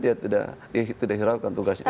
dia tidak hiraukan tugasnya